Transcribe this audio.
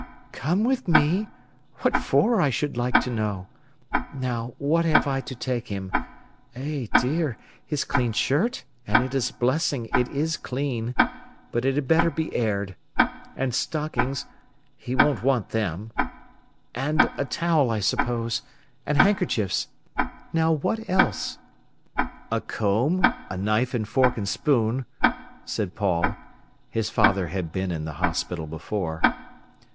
"Come with me? What for, I should like to know? Now, what have I to take him? Eh, dear! His clean shirt—and it's a blessing it is clean. But it had better be aired. And stockings—he won't want them—and a towel, I suppose; and handkerchiefs. Now what else?" "A comb, a knife and fork and spoon," said Paul. His father had been in the hospital before.